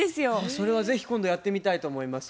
それは是非今度やってみたいと思います。